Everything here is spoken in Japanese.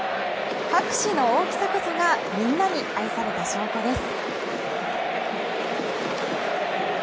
拍手の大きさこそがみんなに愛された証拠です。